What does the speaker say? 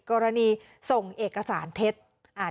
กรณีส่งเอกสารเท็จ